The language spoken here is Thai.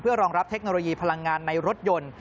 รองรับเทคโนโลยีพลังงานในรถยนต์